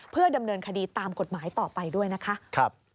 เพื่อดำเนินคดีตามกฎหมายต่อไปด้วยนะคะ